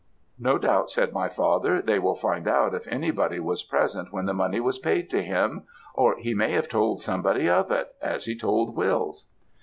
"'No doubt,' said my father, 'they will find out if anybody was present when the money was paid to him, or he may have told somebody of it, as he told Wills.'